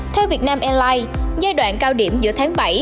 theo vietnam airlines giai đoạn cao điểm giữa tháng bảy